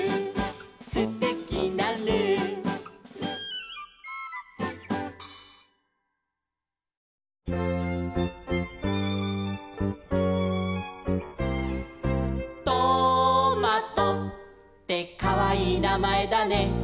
「すてきなルー」「トマトってかわいいなまえだね」